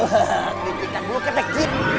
ging dikan bulu ketek jin